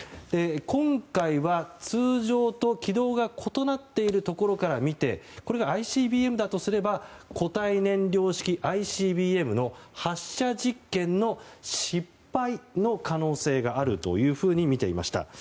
今回は通常と軌道が異なっているところから見てこれがＩＣＢＭだとすれば個体燃料式ＩＣＢＭの発射実験の失敗の可能性があるとみていました。